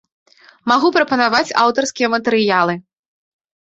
Магу прапанаваць аўтарскія матэрыялы.